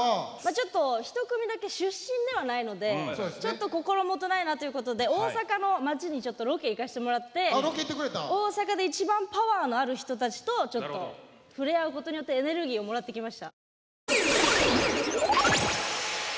ちょっと１組だけ出身ではないのでちょっと心もとないなということで大阪の街にちょっとロケ行かせてもらって大阪で一番パワーのある人たちとちょっと触れ合うことによってエネルギーをもらってきました。